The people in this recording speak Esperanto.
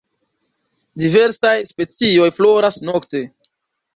Diversaj specioj floras nokte.